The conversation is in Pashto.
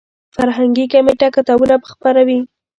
فرهنګي کمیټه کتابونه به خپروي.